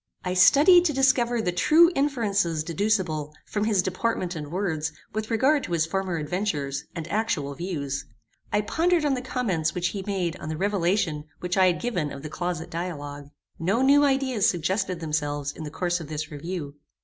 I studied to discover the true inferences deducible from his deportment and words with regard to his former adventures and actual views. I pondered on the comments which he made on the relation which I had given of the closet dialogue. No new ideas suggested themselves in the course of this review.